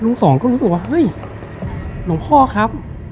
สองก็รู้สึกว่าเฮ้ยหลวงพ่อครับ